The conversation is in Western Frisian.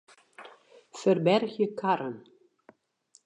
Ferbergje karren.